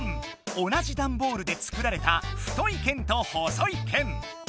同じダンボールで作られた太い剣と細い剣。